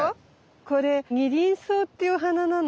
これニリンソウっていうお花なの。